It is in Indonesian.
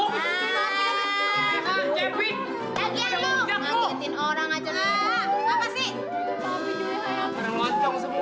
lagi yang si